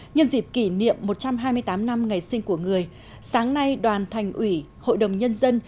nhân dịp kỷ niệm một trăm hai mươi tám năm ngày sinh của người sáng nay đoàn thành ủy hội đồng nhân dân